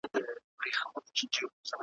چي په قسمت کی دي ازل سهار لیکلی نه دی ,